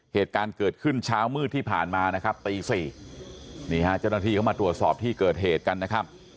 เหตุการณ์เกิดขึ้นเช้ามืดที่ผ่านมานะครับตี๔นี่ฮะเจ้าหน้าที่เข้ามาตรวจสอบที่เกิดเหตุกันนะครับ